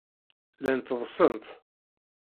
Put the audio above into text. Llant ḍḍsent.